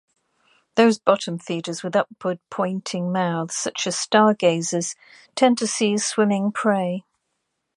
Those bottom feeders with upward-pointing mouths, such as stargazers, tend to seize swimming prey.